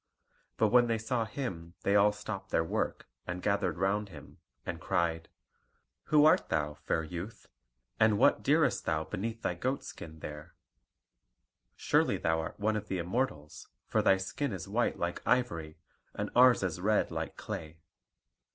But when they saw him they all stopped their work, and gathered round him, and cried: "Who art thou, fair youth? and what Dearest thou beneath they goat skin there? Surely thou art one of the Immortals; for thy skin is white like ivory, and ours is red like clay.